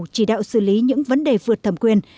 chỉ đạo xử lý những vấn đề vượt thẩm quyền